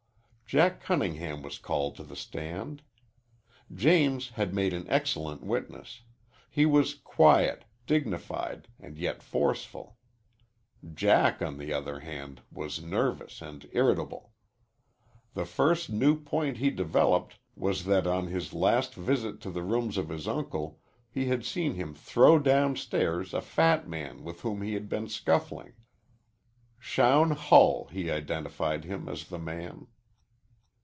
Jack Cunningham was called to the stand. James had made an excellent witness. He was quiet, dignified, and yet forceful. Jack, on the other hand, was nervous and irritable. The first new point he developed was that on his last visit to the rooms of his uncle he had seen him throw downstairs a fat man with whom he had been scuffling. Shown Hull, he identified him as the man.